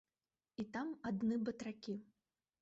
І там адны батракі.